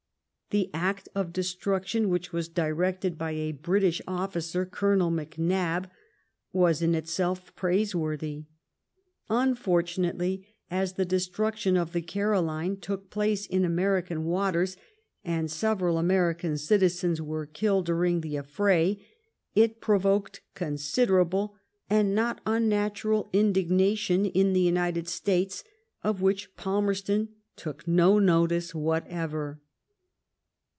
The act of destruction, which was directed by a British officer. Colonel McNab, was in itself praiseworthy. Unfortunately, as the destruction of the Caroline took place in American waters, and several American citizens were killed during the affray, it provoked considerable and not unnatural indignation in the United States, of which Palmerston took no notice whatever.